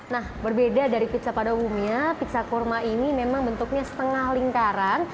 nah berbeda dari pizza pada umumnya pizza kurma ini memang bentuknya setengah lingkaran